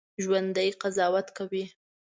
ژوندي قضاوت کوي